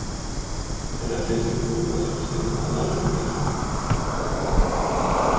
Elle a fait ses premiers pas sur scène à l'âge de quatre ans.